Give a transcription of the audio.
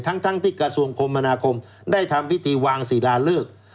ทั้งที่กระทรวงคมมนาคมได้ทำพิธีวางศิลาเลิก